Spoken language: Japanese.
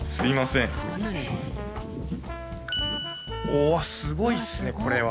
うわっすごいっすねこれは。